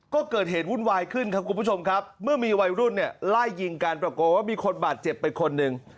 ก็เกิดเหตุวุ่นวายขึ้นครับคุณผู้ชมครับเมื่อมีวัยรุ่นเนี่ยไล่ยิงกันปรากฏว่ามีคนบาดเจ็บไปคนหนึ่ง